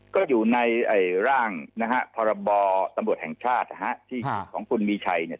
ก็อยู่ในร่างนะฮะพรบตำรวจแห่งชาตินะฮะที่ของคุณมีชัยเนี่ย